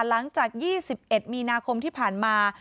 หลังจาก๒๑มีนาคมที่ผ่านมา